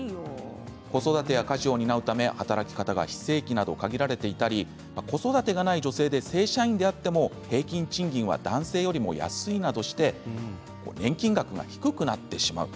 子育てや家事を担うため働き方が非正規など限られていたり子育てがない女性で正社員であっても平均賃金は男性より安いなどして年金額が低くなってしまう。